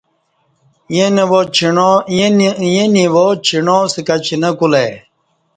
ییں نِوا ڄݨا سہ کچی نہ کُلہ ای